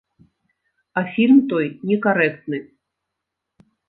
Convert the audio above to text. А фільм той некарэктны.